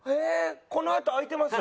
このあと空いてます。